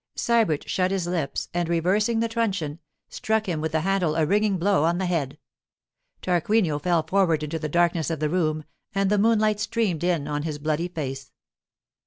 Sybert shut his lips, and reversing the truncheon, struck him with the handle a ringing blow on the head. Tarquinio fell forward into the darkness of the room, and the moonlight streamed in on his bloody face.